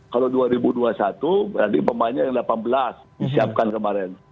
kalau dua ribu dua puluh satu berarti pemainnya yang delapan belas disiapkan kemarin